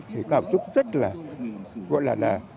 thì cảm xúc rất là gọi là là